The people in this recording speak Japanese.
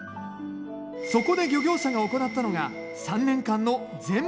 そこで漁業者が行ったのが３年間の全面禁漁。